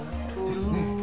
ですねえ。